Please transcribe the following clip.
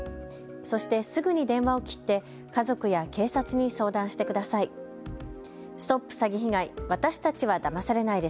そして、すぐに電話を切って家族や警察に相談してください。